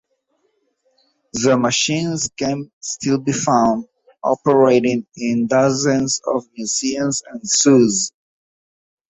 The machines can still be found operating in dozens of museums and zoos.